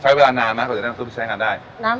ใช้เวลานานมากกว่าจะได้น้ำซุปที่ใช้งานได้